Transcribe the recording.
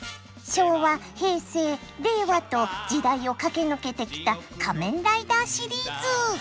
昭和平成令和と時代を駆け抜けてきた「仮面ライダー」シリーズ。